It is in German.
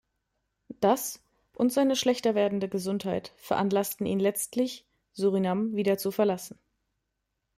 Das und seine schlechter werdende Gesundheit veranlassten ihn letztlich Surinam wieder zu verlassen.